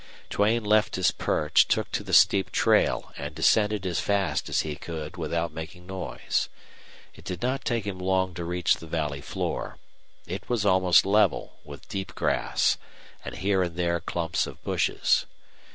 Duane left his perch, took to the steep trail, and descended as fast as he could without making noise. It did not take him long to reach the valley floor. It was almost level, with deep grass, and here and there clumps of bushes.